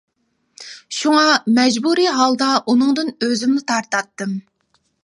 شۇڭا مەجبۇرىي ھالدا ئۇنىڭدىن ئۆزۈمنى تارتاتتىم.